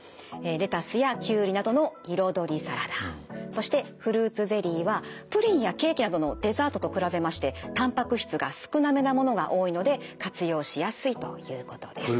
そしてフルーツゼリーはプリンやケーキなどのデザートと比べましてたんぱく質が少なめなものが多いので活用しやすいということです。